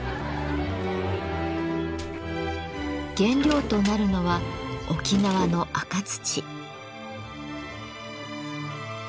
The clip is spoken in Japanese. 原料となるのは沖縄の赤土。